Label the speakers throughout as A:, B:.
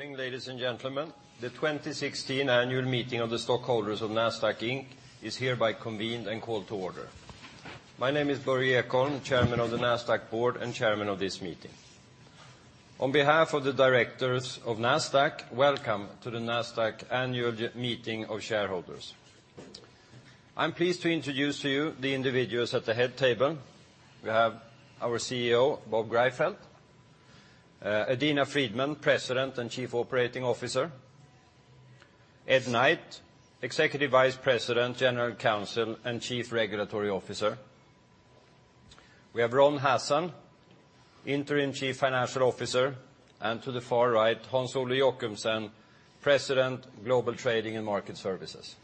A: Good morning, ladies and gentlemen. The 2016 annual meeting of the stockholders of Nasdaq, Inc. is hereby convened and called to order. My name is Börje Ekholm, Chairman of the Nasdaq Board and Chairman of this meeting. On behalf of the directors of Nasdaq, welcome to the Nasdaq annual meeting of shareholders. I'm pleased to introduce to you the individuals at the head table. We have our CEO, Bob Greifeld; Adena Friedman, President and Chief Operating Officer; Edward Knight, Executive Vice President, General Counsel, and Chief Regulatory Officer. We have Ronald Hassen, Interim Chief Financial Officer, and to the far right, Hans-Ole Jochumsen, President, Global Trading and Market Services.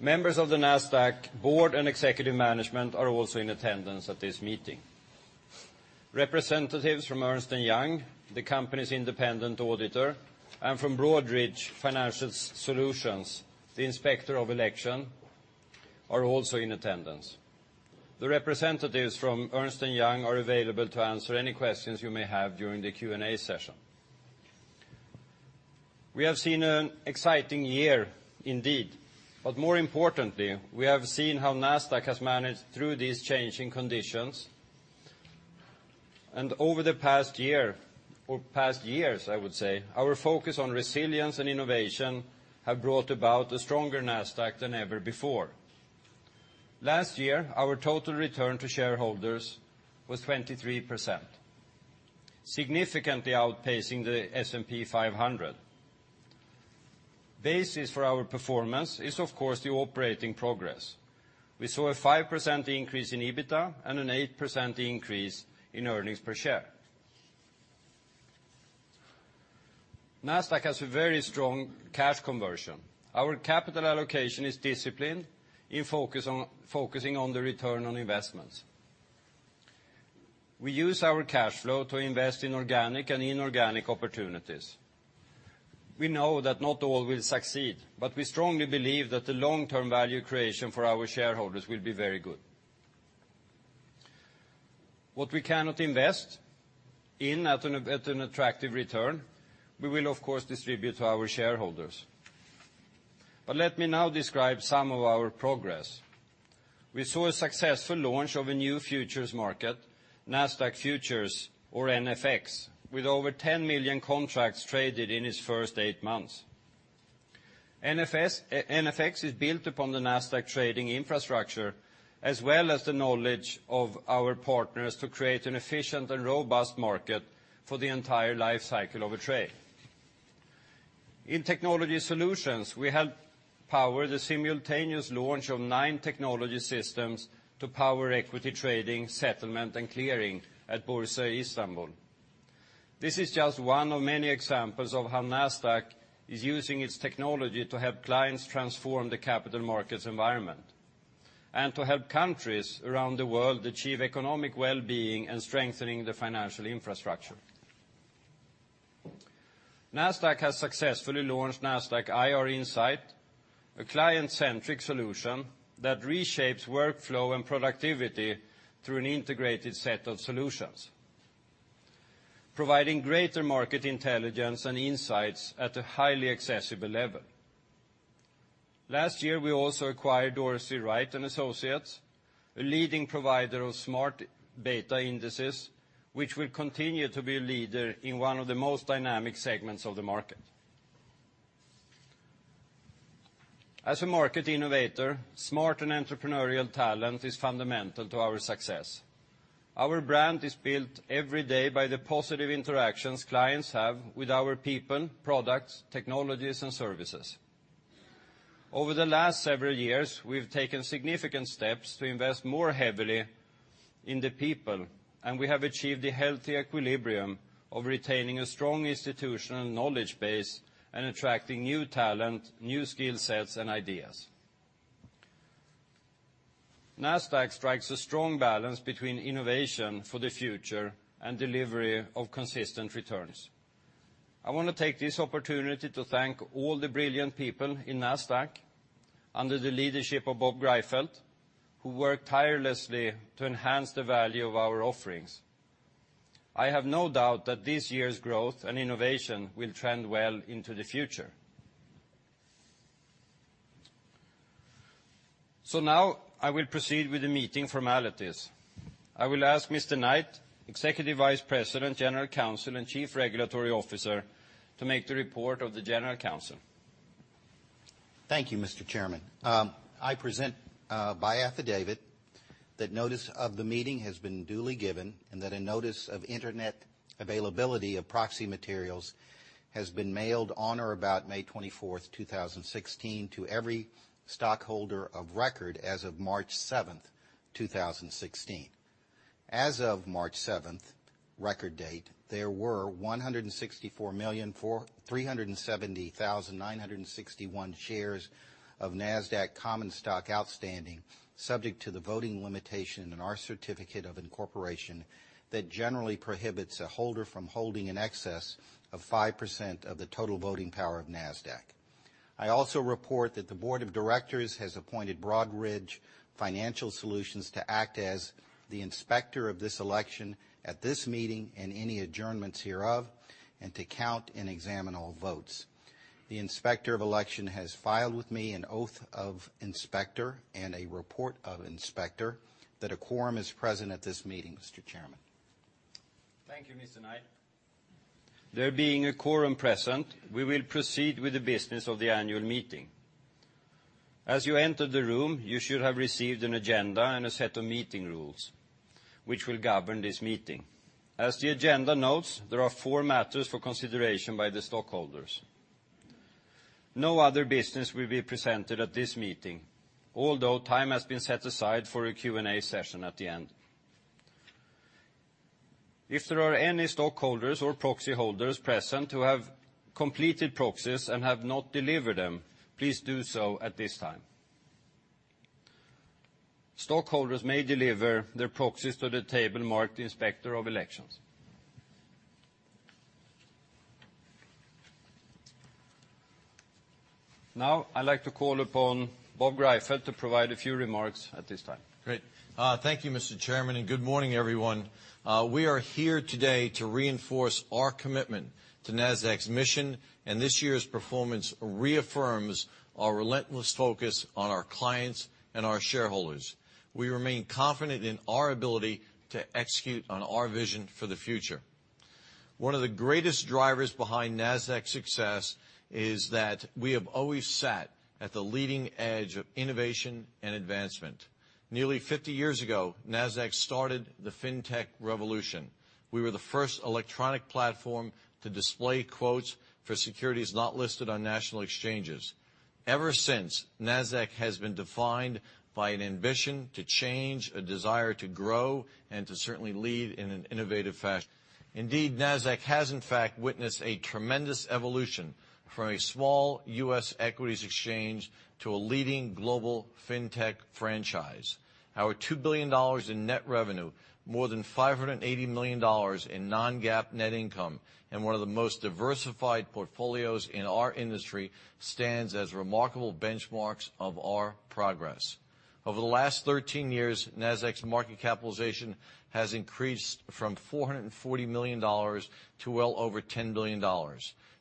A: Members of the Nasdaq Board and executive management are also in attendance at this meeting. Representatives from Ernst & Young, the company's independent auditor, and from Broadridge Financial Solutions, the Inspector of Election, are also in attendance. The representatives from Ernst & Young are available to answer any questions you may have during the Q&A session. We have seen an exciting year indeed, but more importantly, we have seen how Nasdaq has managed through these changing conditions. Over the past year, or past years I would say, our focus on resilience and innovation have brought about a stronger Nasdaq than ever before. Last year, our total return to shareholders was 23%, significantly outpacing the S&P 500. Basis for our performance is, of course, the operating progress. We saw a 5% increase in EBITDA and an 8% increase in earnings per share. Nasdaq has very strong cash conversion. Our capital allocation is disciplined in focusing on the return on investments. We use our cash flow to invest in organic and inorganic opportunities. We know that not all will succeed, but we strongly believe that the long-term value creation for our shareholders will be very good. What we cannot invest in at an attractive return, we will of course distribute to our shareholders. Let me now describe some of our progress. We saw a successful launch of a new futures market, Nasdaq Futures or NFX, with over 10 million contracts traded in its first eight months. NFX is built upon the Nasdaq trading infrastructure as well as the knowledge of our partners to create an efficient and robust market for the entire life cycle of a trade. In technology solutions, we helped power the simultaneous launch of nine technology systems to power equity trading, settlement, and clearing at Borsa İstanbul. This is just one of many examples of how Nasdaq is using its technology to help clients transform the capital markets environment and to help countries around the world achieve economic wellbeing and strengthening the financial infrastructure. Nasdaq has successfully launched Nasdaq IR Insight, a client-centric solution that reshapes workflow and productivity through an integrated set of solutions, providing greater market intelligence and insights at a highly accessible level. Last year, we also acquired Dorsey, Wright & Associates, a leading provider of smart beta indices, which will continue to be a leader in one of the most dynamic segments of the market. As a market innovator, smart and entrepreneurial talent is fundamental to our success. Our brand is built every day by the positive interactions clients have with our people, products, technologies, and services. Over the last several years, we've taken significant steps to invest more heavily in the people, and we have achieved a healthy equilibrium of retaining a strong institutional knowledge base and attracting new talent, new skill sets, and ideas. Nasdaq strikes a strong balance between innovation for the future and delivery of consistent returns. I want to take this opportunity to thank all the brilliant people in Nasdaq, under the leadership of Bob Greifeld, who work tirelessly to enhance the value of our offerings. I have no doubt that this year's growth and innovation will trend well into the future. I will proceed with the meeting formalities. I will ask Mr. Knight, Executive Vice President, General Counsel, and Chief Regulatory Officer, to make the report of the General Counsel.
B: Thank you, Mr. Chairman. I present by affidavit that notice of the meeting has been duly given and that a notice of internet availability of proxy materials has been mailed on or about May 24th, 2016, to every stockholder of record as of March 7th, 2016. As of March 7th, record date, there were 164,370,961 shares of Nasdaq common stock outstanding, subject to the voting limitation in our certificate of incorporation that generally prohibits a holder from holding in excess of 5% of the total voting power of Nasdaq. I also report that the board of directors has appointed Broadridge Financial Solutions to act as the inspector of this election at this meeting, and any adjournments hereof, and to count and examine all votes. The inspector of election has filed with me an oath of inspector and a report of inspector that a quorum is present at this meeting, Mr. Chairman.
A: Thank you, Mr. Knight. There being a quorum present, we will proceed with the business of the annual meeting. As you entered the room, you should have received an agenda and a set of meeting rules which will govern this meeting. As the agenda notes, there are four matters for consideration by the stockholders. No other business will be presented at this meeting, although time has been set aside for a Q&A session at the end. If there are any stockholders or proxy holders present who have completed proxies and have not delivered them, please do so at this time. Stockholders may deliver their proxies to the table marked, "Inspector of Elections." Now, I'd like to call upon Bob Greifeld to provide a few remarks at this time.
C: Great. Thank you, Mr. Chairman, and good morning, everyone. We are here today to reinforce our commitment to Nasdaq's mission, and this year's performance reaffirms our relentless focus on our clients and our shareholders. We remain confident in our ability to execute on our vision for the future. One of the greatest drivers behind Nasdaq's success is that we have always sat at the leading edge of innovation and advancement. Nearly 50 years ago, Nasdaq started the fintech revolution. We were the first electronic platform to display quotes for securities not listed on national exchanges. Ever since, Nasdaq has been defined by an ambition to change, a desire to grow, and to certainly lead in an innovative fashion. Indeed, Nasdaq has in fact witnessed a tremendous evolution from a small U.S. equities exchange to a leading global fintech franchise. Our $2 billion in net revenue, more than $580 million in non-GAAP net income, and one of the most diversified portfolios in our industry, stands as remarkable benchmarks of our progress. Over the last 13 years, Nasdaq's market capitalization has increased from $440 million to well over $10 billion.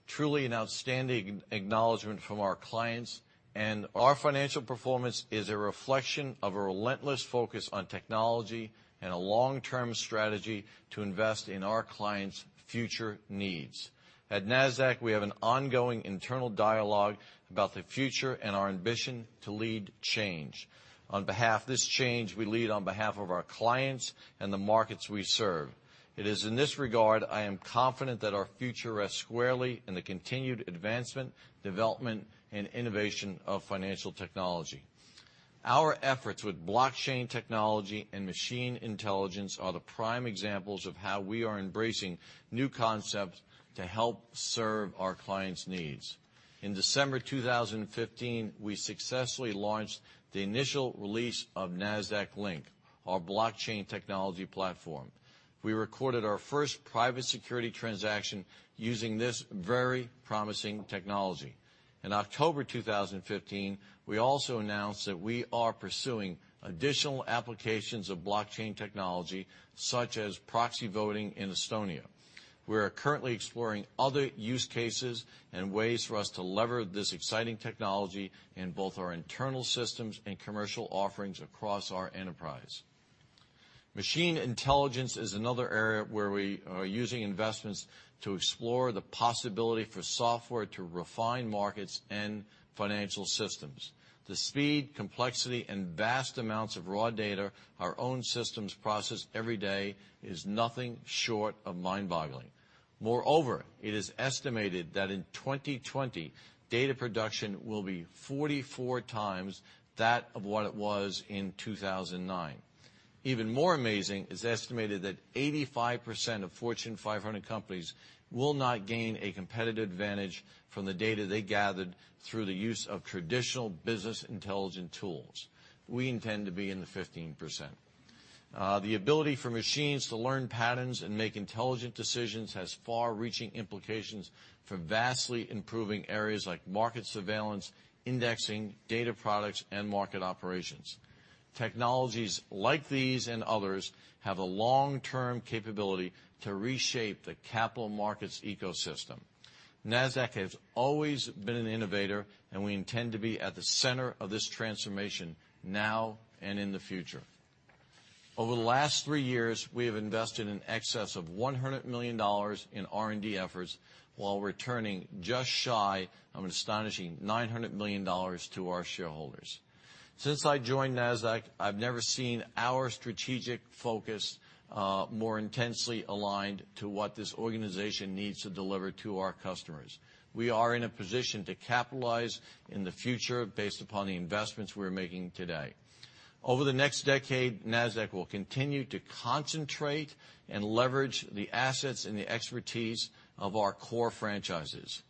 C: Truly an outstanding acknowledgment from our clients, and our financial performance is a reflection of a relentless focus on technology and a long-term strategy to invest in our clients' future needs. At Nasdaq, we have an ongoing internal dialogue about the future and our ambition to lead change. On behalf of this change, we lead on behalf of our clients and the markets we serve. It is in this regard, I am confident that our future rests squarely in the continued advancement, development, and innovation of financial technology. Our efforts with blockchain technology and machine intelligence are the prime examples of how we are embracing new concepts to help serve our clients' needs. In December 2015, we successfully launched the initial release of Nasdaq Linq, our blockchain technology platform. We recorded our first private security transaction using this very promising technology. In October 2015, we also announced that we are pursuing additional applications of blockchain technology, such as proxy voting in Estonia. We are currently exploring other use cases and ways for us to lever this exciting technology in both our internal systems and commercial offerings across our enterprise. Machine intelligence is another area where we are using investments to explore the possibility for software to refine markets and financial systems. The speed, complexity, and vast amounts of raw data our own systems process every day is nothing short of mind-boggling. Moreover, it is estimated that in 2020, data production will be 44 times that of what it was in 2009. Even more amazing, it's estimated that 85% of Fortune 500 companies will not gain a competitive advantage from the data they gathered through the use of traditional business intelligent tools. We intend to be in the 15%. The ability for machines to learn patterns and make intelligent decisions has far-reaching implications for vastly improving areas like market surveillance, indexing, data products, and market operations. Technologies like these, and others, have a long-term capability to reshape the capital markets ecosystem. Nasdaq has always been an innovator, and we intend to be at the center of this transformation now and in the future. Over the last three years, we have invested in excess of $100 million in R&D efforts while returning just shy of an astonishing $900 million to our shareholders. Since I joined Nasdaq, I've never seen our strategic focus more intensely aligned to what this organization needs to deliver to our customers. We are in a position to capitalize in the future based upon the investments we're making today. Over the next decade, Nasdaq will continue to concentrate and leverage the assets and the expertise of our core franchises.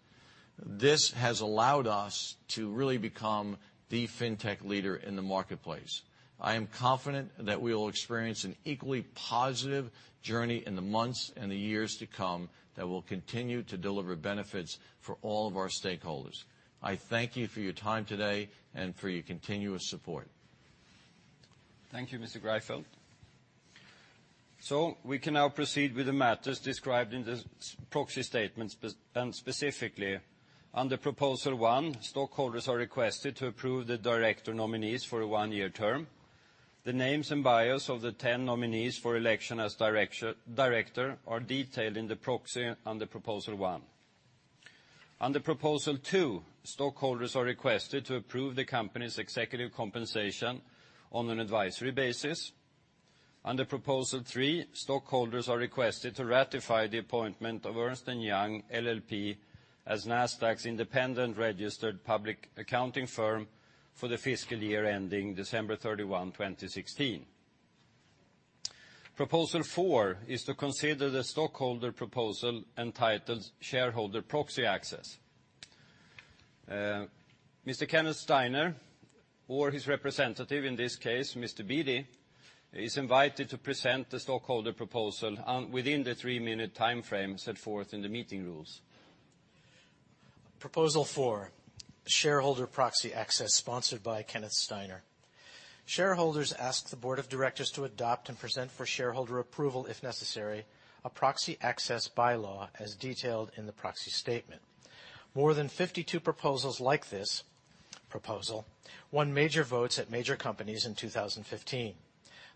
C: This has allowed us to really become the fintech leader in the marketplace. I am confident that we will experience an equally positive journey in the months and the years to come that will continue to deliver benefits for all of our stakeholders. I thank you for your time today and for your continuous support.
A: Thank you, Mr. Greifeld. We can now proceed with the matters described in the proxy statements, specifically under Proposal One, stockholders are requested to approve the director nominees for a one-year term. The names and bios of the 10 nominees for election as director are detailed in the proxy under Proposal One. Under Proposal Two, stockholders are requested to approve the company's executive compensation on an advisory basis. Under Proposal Three, stockholders are requested to ratify the appointment of Ernst & Young LLP as Nasdaq's independent registered public accounting firm for the fiscal year ending December 31, 2016. Proposal Four is to consider the stockholder proposal entitled Shareholder Proxy Access. Mr. Kenneth Steiner or his representative, in this case, Mr. Beatty, is invited to present the stockholder proposal within the three-minute timeframe set forth in the meeting rules. Proposal Four, Shareholder Proxy Access, sponsored by Kenneth Steiner. Shareholders ask the board of directors to adopt and present for shareholder approval, if necessary, a proxy access bylaw as detailed in the proxy statement. More than 52 proposals like this proposal won major votes at major companies in 2015.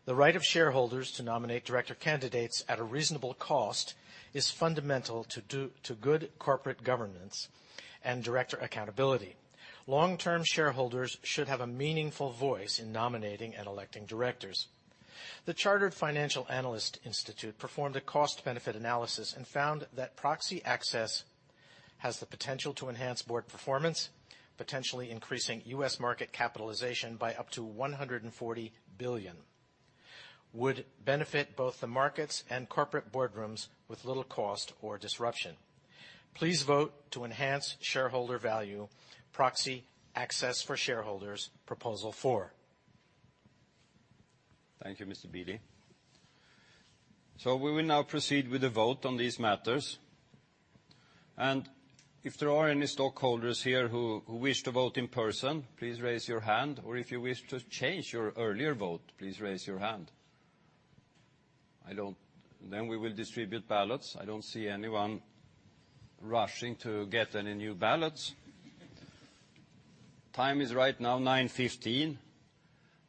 A: The right of shareholders to nominate director candidates at a reasonable cost is fundamental to good corporate governance and director accountability. Long-term shareholders should have a meaningful voice in nominating and electing directors. The Chartered Financial Analyst Institute performed a cost-benefit analysis and found that proxy access has the potential to enhance board performance, potentially increasing U.S. market capitalization by up to $140 billion, would benefit both the markets and corporate boardrooms with little cost or disruption. Please vote to enhance shareholder value, Proxy Access for Shareholders, Proposal Four. Thank you, Mr. Beatty. We will now proceed with the vote on these matters. If there are any stockholders here who wish to vote in person, please raise your hand, or if you wish to change your earlier vote, please raise your hand. We will distribute ballots. I don't see anyone rushing to get any new ballots. Time is right now 9:15 A.M.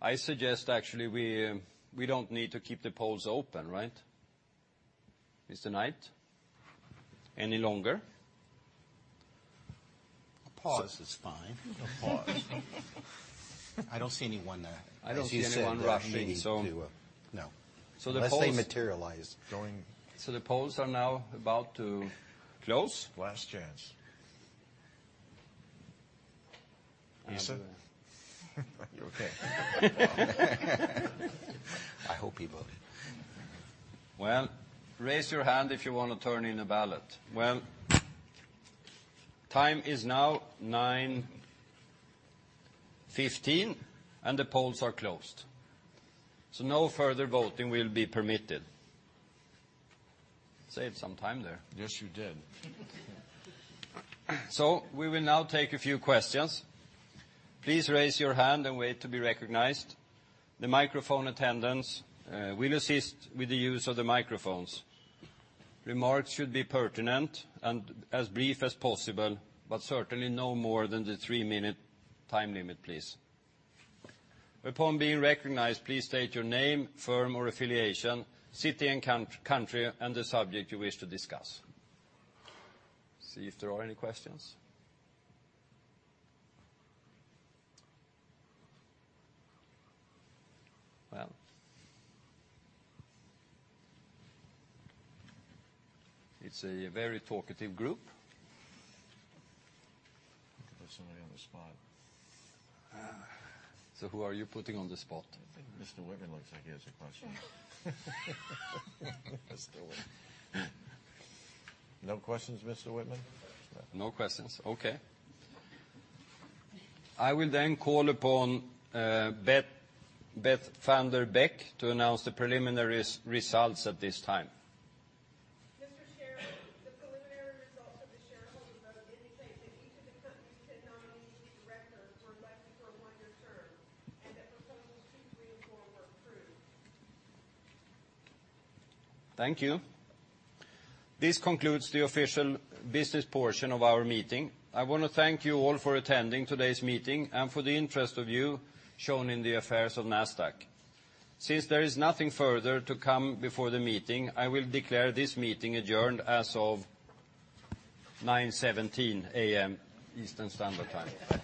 A: I suggest actually we don't need to keep the polls open, right, Mr. Knight? Any longer?
C: A pause is fine. A pause. I don't see anyone.
A: I don't see anyone rushing.
C: As you said, we need to.
A: The polls-
C: Unless they materialize, going-
A: The polls are now about to close.
C: Last chance.
A: Isa?
C: You okay? I hope he voted.
A: Well, raise your hand if you want to turn in a ballot. Well, time is now 9:15 and the polls are closed. No further voting will be permitted. Saved some time there.
C: Yes, you did.
A: We will now take a few questions. Please raise your hand and wait to be recognized. The microphone attendants will assist with the use of the microphones. Remarks should be pertinent and as brief as possible, but certainly no more than the three-minute time limit, please. Upon being recognized, please state your name, firm or affiliation, city and country, and the subject you wish to discuss. See if there are any questions. Well. It's a very talkative group.
C: Put somebody on the spot.
A: Who are you putting on the spot?
C: I think Mr. Wittman looks like he has a question. Mr. Wittman. No questions, Mr. Wittman?
A: No questions. Okay. I will then call upon Beth VanDerbeck to announce the preliminary results at this time.
D: Mr. Chair, the preliminary results of the shareholder vote indicates that each of the company's 10 nominees for directors were elected for a one-year term, and that Proposals 2, 3, and 4 were approved.
A: Thank you. This concludes the official business portion of our meeting. I want to thank you all for attending today's meeting and for the interest of you shown in the affairs of Nasdaq. Since there is nothing further to come before the meeting, I will declare this meeting adjourned as of 9:17 A.M. Eastern Standard Time.